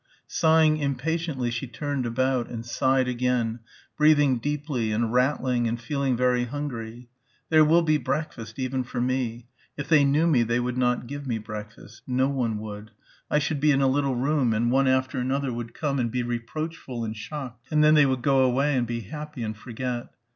Sighing impatiently she turned about ... and sighed again, breathing deeply and rattling and feeling very hungry.... There will be breakfast, even for me.... If they knew me they would not give me breakfast.... No one would ... I should be in a little room and one after another would come and be reproachful and shocked ... and then they would go away and be happy and forget....